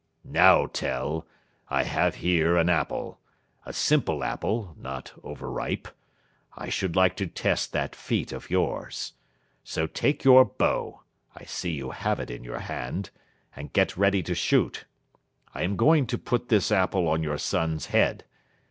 "Now, Tell, I have here an apple a simple apple, not over ripe. I should like to test that feat of yours. So take your bow I see you have it in your hand and get ready to shoot. I am going to put this apple on your son's head.